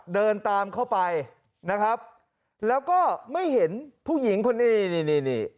เดินตามเข้าไปนะครับแล้วก็ไม่เห็นผู้หญิงคนนี้นี่นี่